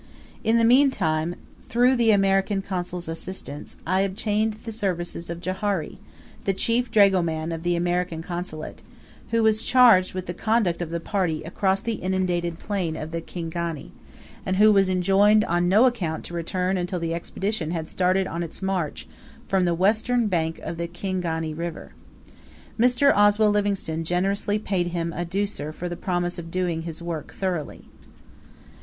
In the meantime, through the American Consul's assistance, I obtained the services of Johari, the chief dragoman of the American Consulate, who was charged with the conduct of the party across the inundated plain of the Kingani, and who was enjoined on no account to return until the Expedition had started on its march from the western bank of the Kingani River. Mr. Oswell Livingstone generously paid him a douceur for the promise of doing his work thoroughly.